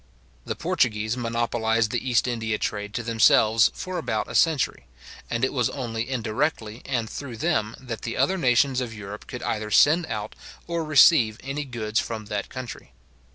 The Portuguese monopolised the East India trade to themselves for about a century; and it was only indirectly, and through them, that the other nations of Europe could either send out or receive any goods from that country.